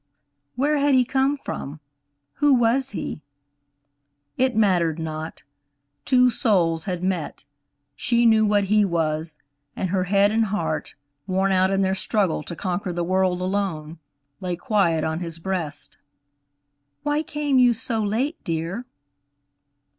Where had he come from? Who was he? It mattered not; two souls had met, she knew what he was, and her head and heart, worn out in their struggle to conquer the world alone, lay quiet on his breast. "Why came you so late, dear?"